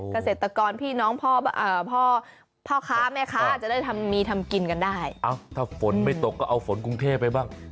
ถ้าฝนไม่ตกก็เอาฝนกรุงเทพฯไปบ้าง